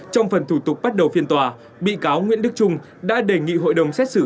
trong phần thủ tục bắt đầu phiên tòa bị cáo nguyễn đức trung đã đề nghị hội đồng xét xử